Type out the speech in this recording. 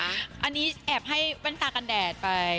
อันนี้แอบให้แว่นตากันแดดไป